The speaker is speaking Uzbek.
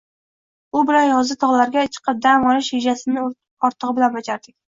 U bilan yozda tog‘larga chiqib dam olish rejasini ortig‘i bilan bajarardik